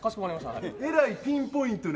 えらいピンポイントで。